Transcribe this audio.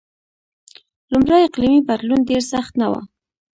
لومړی اقلیمی بدلون ډېر سخت نه و.